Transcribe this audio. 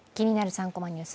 ３コマニュース」